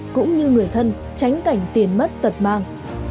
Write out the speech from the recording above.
cũng như người thân tránh cảnh tiền mất tật mang